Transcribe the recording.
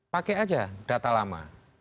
pakai aja data lama